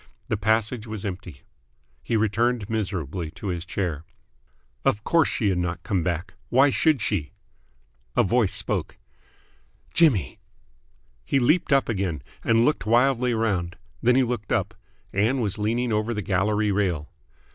The passage was empty. He returned miserably to his chair. Of course she had not come back. Why should she? A voice spoke. "Jimmy!" He leaped up again, and looked wildly round. Then he looked up. Ann was leaning over the gallery rail.